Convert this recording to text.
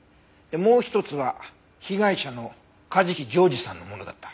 もう一つは被害者の梶木譲士さんのものだった。